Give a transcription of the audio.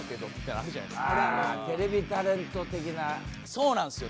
そうなんですよ。